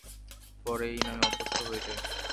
পরে এই নামে অভ্যস্ত হয়ে যাই।